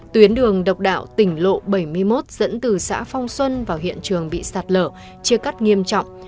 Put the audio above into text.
tuyến đường độc đạo tỉnh lộ bảy mươi một dẫn từ xã phong xuân vào hiện trường bị sạt lở chia cắt nghiêm trọng